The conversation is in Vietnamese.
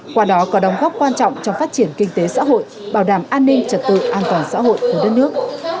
qua đó có đóng góp quan trọng trong phát triển kinh tế xã hội bảo đảm an ninh trật tự an toàn xã hội của đất nước